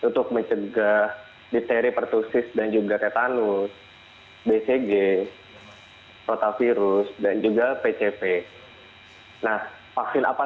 hai untuk mencegah dipteri pertussis dan juga tetanus bcg rotavirus dan juga pcv nah vaksin apa